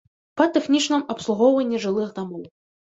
Па тэхнічным абслугоўванні жылых дамоў.